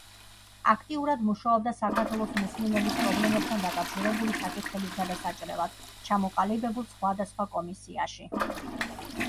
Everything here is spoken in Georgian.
აქტიურად მუშაობდა საქართველოს მუსლიმების პრობლემებთან დაკავშირებული საკითხების გადასაჭრელად ჩამოყალიბებულ სხვადასხვა კომისიაში.